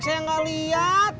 saya enggak lihat